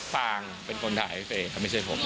ฟางเป็นคนถ่ายให้เฟย์ไม่ใช่ผม